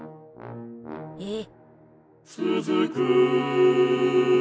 えっ？